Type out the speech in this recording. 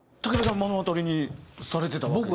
目の当たりにされてたわけですか。